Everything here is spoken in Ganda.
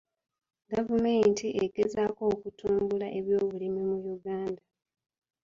Gavumenti egezaako okutumbula ebyobulimi mu Uganda.